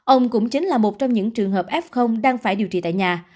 ông cũng chính là một trong những trường hợp f đang phải điều trị tại nhà